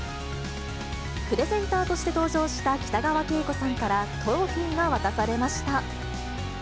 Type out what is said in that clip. プレゼンターとして登場した北川景子さんからトロフィーが渡されました。